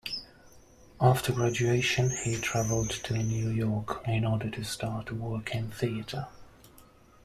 After graduation, he travelled to New York in order to start work in theatre.